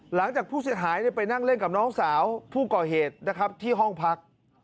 หลังจากผู้เสียหายไปนั่งเล่นกับน้องสาวผู้ก่อเหตุนะครับที่ห้องพัก